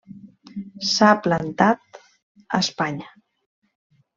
S'ha plantat a Espanya.